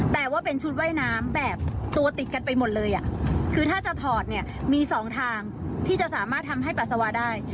ตัวติดกันไปหมดเลยคือถ้าจะถอดมี๒ทางที่จะสามารถทำให้ปรัสสาวะได้